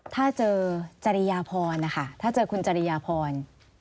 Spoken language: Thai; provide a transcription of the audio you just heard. ถ้าเจอจริยพรนะคะถ้าเจอคุณจริยพร